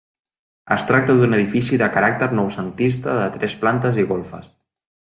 Es tracta d'un edifici de caràcter noucentista de tres plantes i golfes.